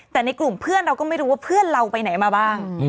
แต่ในกลุ่มเพื่อนเราก็ไม่รู้ว่าเพื่อนเราไปไหนมาบ้าง